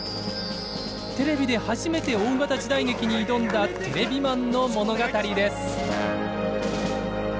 テレビで初めて大型時代劇に挑んだテレビマンの物語です。